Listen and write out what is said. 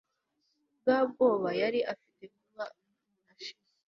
bwa bwoba yari afite buba burashize